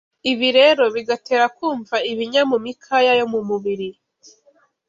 ibi rero bigatera kumva ibinya mu mikaya yo mu mubiri.